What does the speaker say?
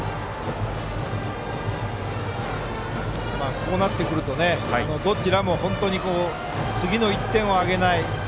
こうなってくるとどちらも次の１点をあげない。